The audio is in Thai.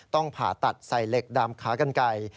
ต้องผ่าตัดใส่เหล็กดำขากันไกล